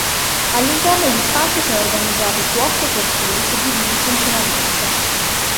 All'interno gli spazi sono organizzati su otto cortili suddivisi funzionalmente.